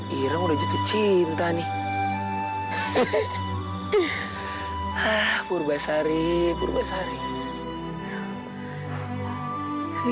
hai jangan jangan iruh jatuh cinta nih hehehe ah purbasari purbasari